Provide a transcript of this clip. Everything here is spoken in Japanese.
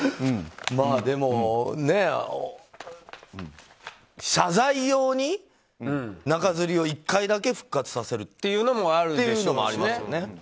でも、謝罪用に中づりを１回だけ復活させるというのもありますよね。